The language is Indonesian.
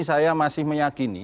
saya masih meyakini